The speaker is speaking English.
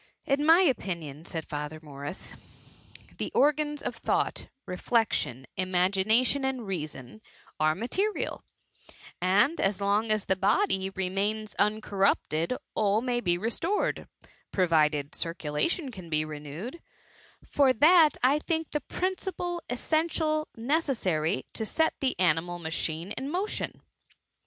*^" In my opinion,'' said Father Morris, " the organs of thought, reflection, imagination and reason, are material ; and as long as the body remains uncorrupted all may be restored, pro vided circulation can be renewed: for that I think the principle essentially necessary to set the animal machine in motion.''